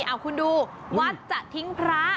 เอาคุณดูวัดจะทิ้งพระ